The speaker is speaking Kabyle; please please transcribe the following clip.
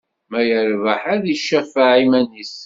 Ma yerbeḥ, ad d-icafeɛ iman-is.